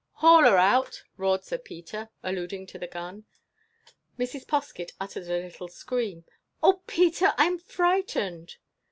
"Haul her out!" roared Sir Peter, alluding to the gun. Mrs. Poskett uttered a little scream. "Oh, Peter! I 'm frightened!"